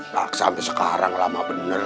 taksa sampe sekarang lama bener